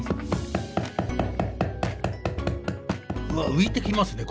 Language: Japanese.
うわっ浮いてきますね